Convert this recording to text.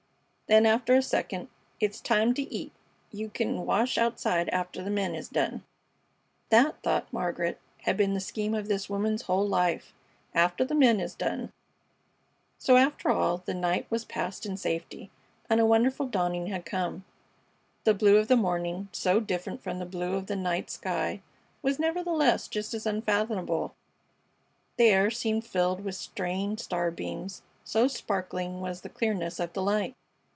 Then, after a second: "It's time t' eat. You c'n wash outside after the men is done." That, thought Margaret, had been the scheme of this woman's whole life "After the men is done!" So, after all, the night was passed in safety, and a wonderful dawning had come. The blue of the morning, so different from the blue of the night sky, was, nevertheless, just as unfathomable; the air seemed filled with straying star beams, so sparkling was the clearness of the light.